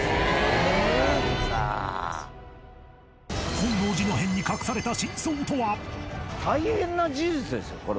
本能寺の変に隠された真相とは